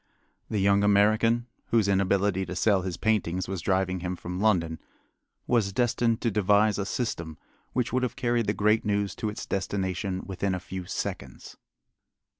The young American, whose inability to sell his paintings was driving him from London, was destined to devise a system which would have carried the great news to its destination within a few seconds.